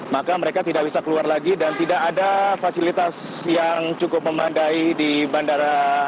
maka mereka tidak bisa keluar lagi dan tidak ada fasilitas yang cukup memadai di bandara